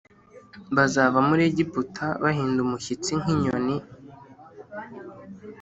Bazava muri Egiputa bahinda umushyitsi nk inyoni